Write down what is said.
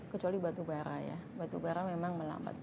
kecuali batu bara ya batu bara memang melambat